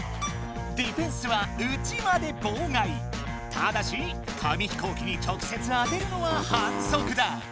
ただし紙飛行機に直せつ当てるのははんそくだ。